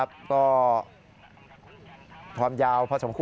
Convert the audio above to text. ตอนแรกก็ไม่แน่ใจนะคะ